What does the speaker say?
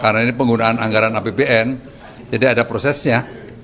karena ini penggunaan anggaran apbn jadi ada prosesnya